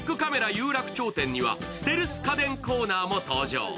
有楽町店にはステルス家電コーナーも登場。